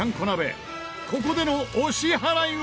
ここでのお支払いは？